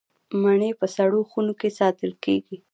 مڼې په سړو خونو کې ساتل کیږي.